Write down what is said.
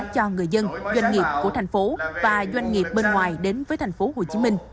cho người dân doanh nghiệp của tp hcm và doanh nghiệp bên ngoài đến với tp hcm